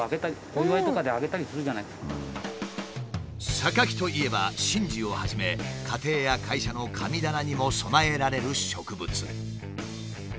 サカキといえば神事をはじめ家庭や会社の神棚にも供えられる植物。